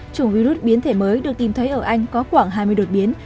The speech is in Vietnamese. chủng virus biến thể mới được tìm thấy ở anh có khoảng hai mươi đột biến